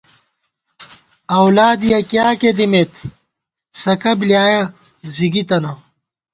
اؤلاد یَکِیاکے دِمېت ، سَکہ بۡلیایَہ زِگی تَنہ